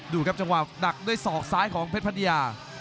ดูครับจังหวะดักด้วยศอกซ้ายของเพชรพัทยา